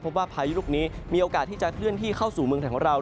พายุลูกนี้มีโอกาสที่จะเคลื่อนที่เข้าสู่เมืองไทยของเรา